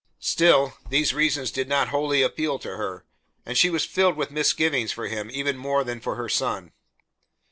Still, these reasons did not wholly appeal to her, and she was filled with misgivings for him even more than for her son.